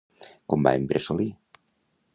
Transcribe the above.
Com va en Bressolí?